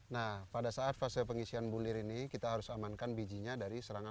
nah pada saat fase pengisian bulir ini kita harus amankan bijinya dari serangan